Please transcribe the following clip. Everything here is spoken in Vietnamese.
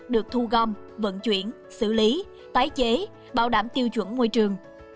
được thu gom vận chuyển xử lý tái chế bảo đảm tiêu chuẩn môi trường